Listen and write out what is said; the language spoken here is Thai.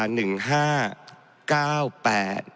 มาตรา๑๕๙๘